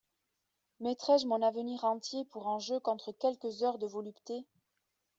Mettrai-je mon avenir entier pour enjeu, contre quelques heures de volupté?